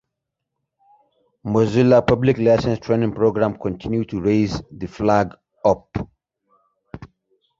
The family was reunited with the father a year later.